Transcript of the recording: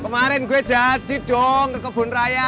kemarin gue jadi dong ke kebun raya